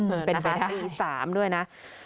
อืมเป็นไปได้สามด้วยนะ